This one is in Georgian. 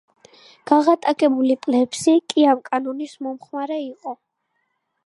გაღატაკებული პლებსი კი ამ კანონის მომხრე იყო.